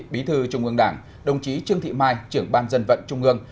bí thư trung ương đảng đồng chí trương thị mai trưởng ban dân vận trung ương